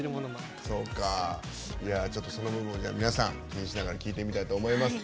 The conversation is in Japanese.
ちょっとその部分を皆さん気にしながら聴いてみたいと思います。